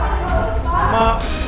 tidak itu saja